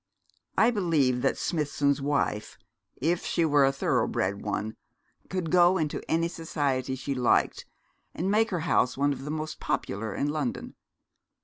I believe that Smithson's wife, if she were a thorough bred one, could go into any society she liked, and make her house one of the most popular in London.